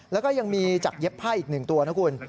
แล้วก็ยังมีจากเย็บผ้าอีก๑ตัวนะคุณ